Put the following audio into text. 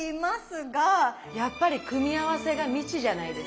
やっぱり組み合わせが未知じゃないですか。